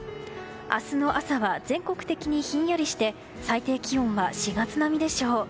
明日の朝は全国的にひんやりして最低気温は４月並みでしょう。